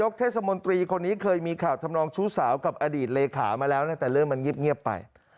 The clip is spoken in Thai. เห็นเลขามาแล้วแต่เริ่มมันเงี๊บไป